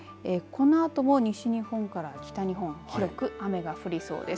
このあとも西日本から北日本強く雨が降りそうです。